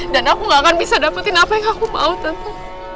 dan aku gak akan bisa dapetin apa yang aku mau tante